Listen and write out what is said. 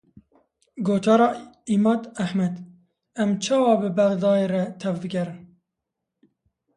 Gotara Îmad Ehmed: Em çawa bi Bexdayê re tevbigerin?